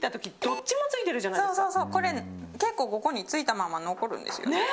結構、ここについたまま残るんですよね。